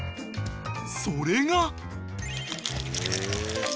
［それが！］